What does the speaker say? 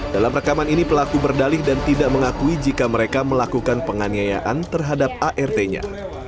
dalam rekaman ini pelaku berdalih dan tidak mengakui jika mereka melakukan penganiayaan terhadap art nya